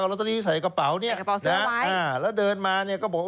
เอาร็อตเตอรี่ใส่กระเป๋านี่นะอ่าแล้วเดินมาเนี่ยก็บอกว่า